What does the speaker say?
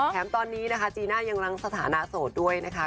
แถมตอนนี้นะคะจีน่ายังรั้งสถานะโสดด้วยนะคะ